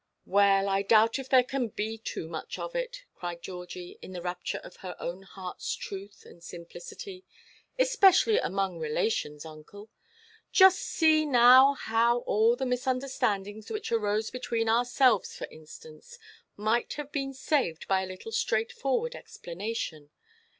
"Well, I doubt if there can be too much of it," cried Georgie, in the rapture of her own heartʼs truth and simplicity, "especially among relations, uncle. Just see now how all the misunderstandings which arose between ourselves, for instance, might have been saved by a little straightforward explanation.